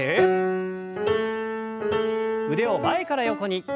腕を前から横に。